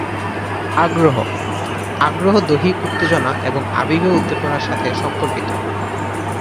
আগ্রহ: আগ্রহ দৈহিক উত্তেজনা এবং আবেগীয় উদ্দীপনার সাথে সম্পর্কিত।